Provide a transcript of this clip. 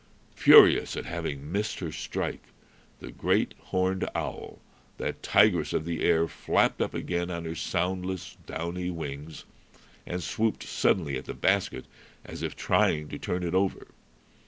Furious at having missed her strike, the great horned owl, that tigress of the air, flapped up again on her soundless, downy wings, and swooped suddenly at the basket, as if trying to turn it over.